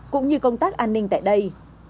cũng như công tác an ninh tại đây